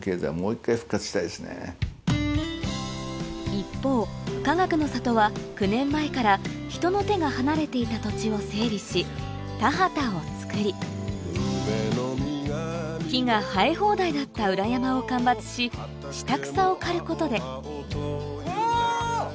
一方かがくの里は９年前から人の手が離れていた土地を整備し田畑を作り木が生え放題だった裏山を間伐し下草を刈ることで・うぉ！